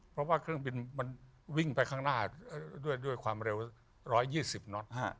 เพราะว่าเครื่องบินมันวิ่งไปข้างหน้าด้วยความเร็ว๑๒๐น็อต